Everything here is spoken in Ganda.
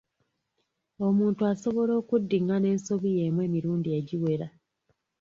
Omuntu asobola okuddingana ensobi y'emu emirundi egiwera.